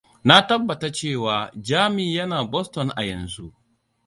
Na tabbata cewa Jami yana Boston a yanzu.